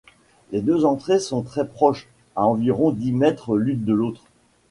Les deux entrées sont très proches, à environ dix mètres l'une de l'autre.